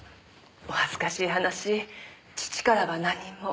お恥ずかしい話義父からは何も。